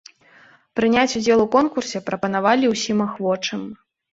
Прыняць удзел у конкурсе прапанавалі ўсім ахвочым.